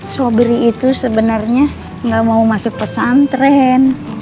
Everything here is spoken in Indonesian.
sobri itu sebenarnya nggak mau masuk pesantren